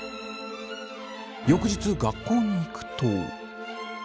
翌日学校に行くと。